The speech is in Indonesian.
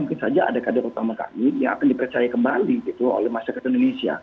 mungkin saja ada kader utama kami yang akan dipercaya kembali gitu oleh masyarakat indonesia